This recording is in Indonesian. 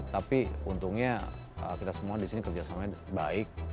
tapi untungnya kita semua di sini kerjasamanya baik